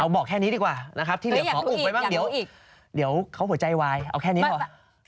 บอกแค่นี้ดีกว่านะครับที่เหลือขออุบไว้บ้างเดี๋ยวอีกเดี๋ยวเขาหัวใจวายเอาแค่นี้ก่อน